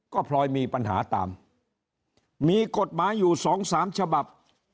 ก็พลอยมีปัญหาตามมีกฎหมายอยู่สองสามฉบับ